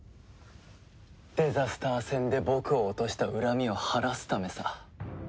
デザスター戦で僕を落とした恨みを晴らすためさ。